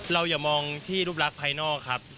อย่ามองที่รูปลักษณ์ภายนอกครับ